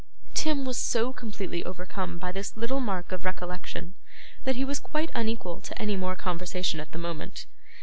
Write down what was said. Tim was so completely overcome by this little mark of recollection, that he was quite unequal to any more conversation at the moment.